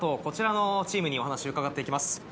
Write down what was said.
こちらのチームにお話伺って行きます。